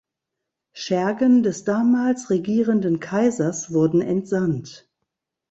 Schergen des damals regierenden Kaisers wurden entsandt.